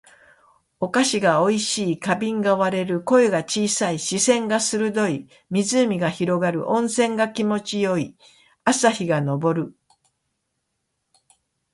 お菓子が美味しい。花瓶が割れる。声が小さい。視線が鋭い。湖が広がる。温泉が気持ち良い。朝日が昇る。